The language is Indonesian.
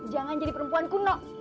jangan jadi perempuan kuno